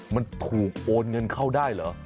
มันถูกโอนเงินเข้าได้เหรอ